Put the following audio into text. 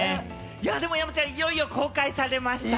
山ちゃん、いよいよ公開されましたね。